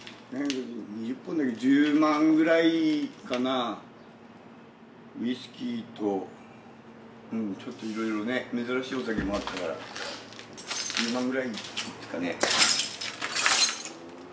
２０本だから１０万円ぐらいかな、ウイスキーと、ちょっといろいろね珍しいお酒もあったから１０万ぐらいですかね。